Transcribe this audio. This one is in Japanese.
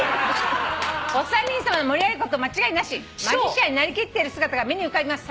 「お三人さま盛り上がること間違いなし」「マジシャンになりきっている姿が目に浮かびます」